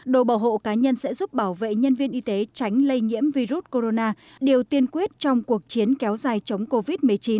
đồ bảo hộ cá nhân sẽ giúp bảo vệ nhân viên y tế tránh lây nhiễm virus corona điều tiên quyết trong cuộc chiến kéo dài chống covid một mươi chín